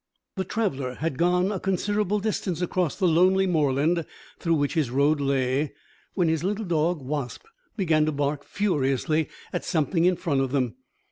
The traveller had gone a considerable distance across the lonely moorland through which his road lay, when his little dog Wasp began to bark furiously at something in front of them.